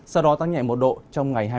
sau đó tăng nhẹ một độ trong ngày hai mươi